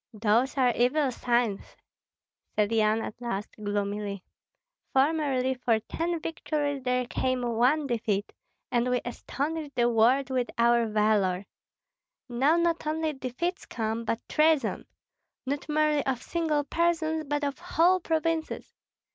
"Those are evil signs," said Yan at last, gloomily. "Formerly for ten victories there came one defeat, and we astonished the world with our valor. Now not only defeats come, but treason, not merely of single persons, but of whole provinces.